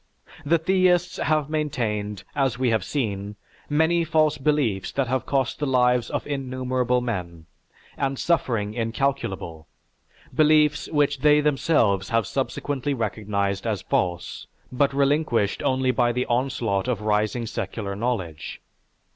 The theists have maintained, as we have seen, many false beliefs that have cost the lives of innumerable men and suffering incalculable; beliefs which they themselves have subsequently recognized as false but relinquished only by the onslaught of rising secular knowledge.